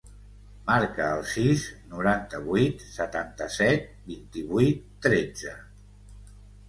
Marca el sis, noranta-vuit, setanta-set, vint-i-vuit, tretze.